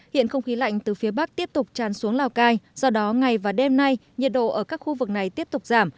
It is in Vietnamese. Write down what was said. hiện không khí lạnh từ phía bắc tiếp tục tràn xuống lào cai do đó ngày và đêm nay nhiệt độ ở các khu vực này tiếp tục giảm